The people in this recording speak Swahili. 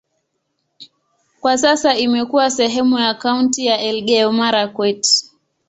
Kwa sasa imekuwa sehemu ya kaunti ya Elgeyo-Marakwet.